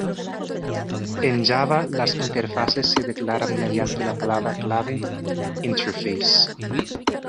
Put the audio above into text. En Java las interfaces se declaran mediante la palabra clave Interface.